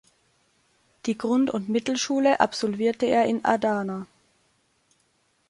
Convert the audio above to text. Die Grund- und Mittelschule absolvierte er in Adana.